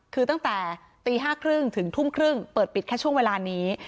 คือตั้งแต่ตี๕๓๐ถึงทุ่มครึ่งเปิดปิดแค่ช่วงเวลานี้